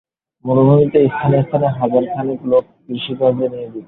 মরুভূমিতে স্থানে স্থানে হাজার খানেক লোক কৃষিকাজে নিয়োজিত।